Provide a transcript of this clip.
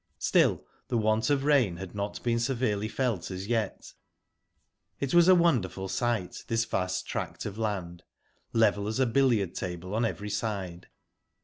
Still, the want of rain had not been severely felt as yet. It was a wonderful sight, this vast tract of land, level as a billiard table on every side.